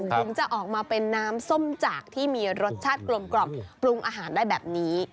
ถึงจะออกมาเป็นน้ำส้มจากที่มีรสชาติกลมปรุงอาหารได้แบบนี้